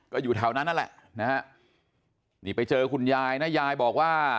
ก็อยู่แถวนั้นนั่นแหละนะฮะนี่ไปเจอคุณยายนะยายบอกว่า